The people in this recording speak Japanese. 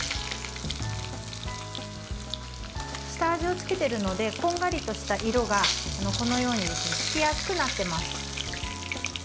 下味をつけているのでこんがりとした色がつきやすくなっています。